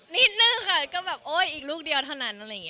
นิดนึงค่ะก็แบบโอ๊ยอีกลูกเดียวเท่านั้น